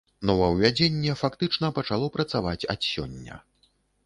Новаўвядзенне фактычна пачало працаваць ад сёння.